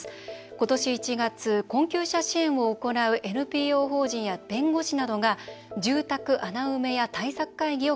今年１月、困窮者支援を行うＮＰＯ法人や、弁護士などが住宅穴埋め屋対策会議を結成。